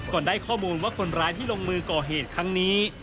ได้ข้อมูลว่าคนร้ายที่ลงมือก่อเหตุครั้งนี้